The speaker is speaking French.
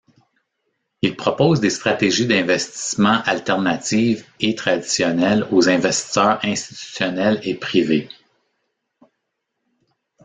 Il propose des stratégies d'investissement alternatives et traditionnelles aux investisseurs institutionnels et privés.